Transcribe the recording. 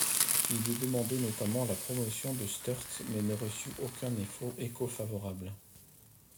Il y demandait notamment la promotion de Sturt mais ne reçut aucun écho favorable.